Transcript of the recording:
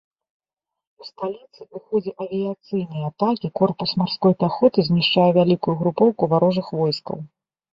У сталіцы ў ходзе авіяцыйнай атакі корпус марской пяхоты знішчае вялікую групоўку варожых войскаў.